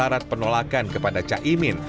dan juga membuat penolakan kepada caimin